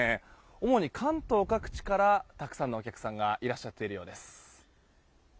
主に関東各地からたくさんのお客さんがいらっしゃってるようです。